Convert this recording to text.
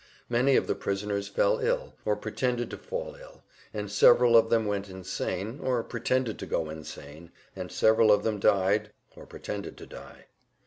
Many of the prisoners fell ill, or pretended to fall ill, and several of them went insane, or pretended to go insane, and several of them died, or pretended to die.